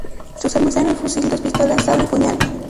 Sus armas eran el fusil, dos pistolas, sable y puñal.